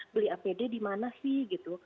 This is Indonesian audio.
beli apd di mana sih gitu